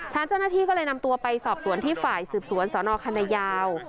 ทางเจ้าหน้าที่ก็เลยนำตัวไปสอบสวนที่ฝ่ายสืบสวนสนคณะยาว